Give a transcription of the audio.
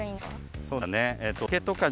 そうだね